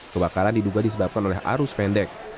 kebakaran diduga disebabkan oleh arus pendek